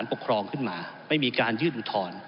แล้วก็ต้องปฏิบัติโดยความซื่อสัตว์สุจริต